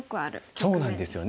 そうなんですよね。